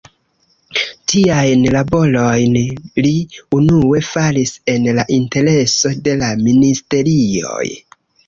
Tiajn laborojn li unue faris en la intereso de la ministerioj.